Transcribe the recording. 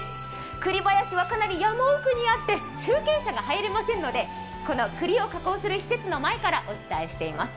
栗林はかなり山奥にあって中継車が入れませんのでこのくりを加工する施設の前からお伝えしています。